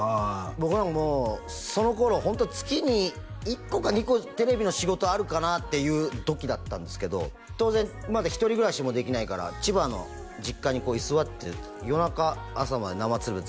僕はもうその頃ホント月に１個か２個テレビの仕事あるかなっていう時だったんですけど当然まだ１人暮らしもできないから千葉の実家に居座って夜中「朝まで生つるべ」